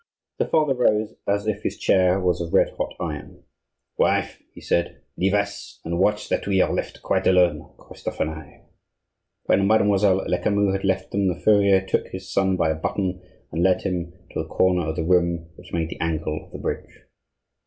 The father rose as if his chair was of red hot iron. "Wife," he said, "leave us; and watch that we are left quite alone, Christophe and I." When Mademoiselle Lecamus had left them the furrier took his son by a button and led him to the corner of the room which made the angle of the bridge.